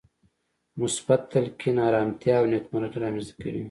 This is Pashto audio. مثبت تلقين ارامتيا او نېکمرغي رامنځته کوي.